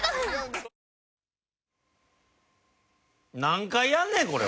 何回やんねんこれ！